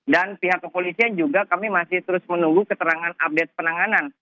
dan pihak kepolisian juga kami masih terus menunggu keterangan update penanganan